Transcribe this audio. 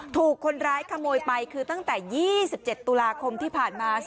ถูกคนร้ายขโมยไปคือตั้งแต่๒๗ตุลาคมที่ผ่านมา